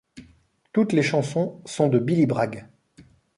Toutes les chansons sont de Billy Bragg.